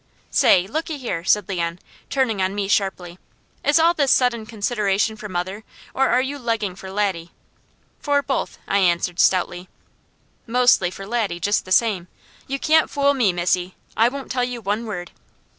"Say, looky here," said Leon, turning on me sharply, "is all this sudden consideration for mother or are you legging for Laddie?" "For both," I answered stoutly. "Mostly for Laddie, just the same. You can't fool me, missy. I won't tell you one word."